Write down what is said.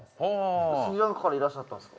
スリランカからいらっしゃったんすか？